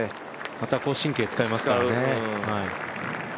また神経を使いますからね。